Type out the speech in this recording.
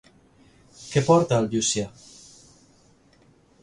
Què porta el Llucià?